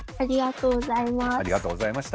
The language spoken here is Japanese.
ありがとうございます。